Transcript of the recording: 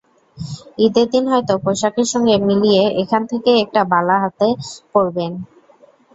ঈদের দিন হয়তো পোশাকের সঙ্গে মিলিয়ে এখান থেকেই একটা বালা হাতে পরবেন।